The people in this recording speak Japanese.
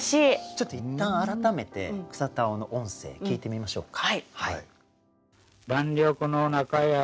ちょっといったん改めて草田男の音声聞いてみましょうか。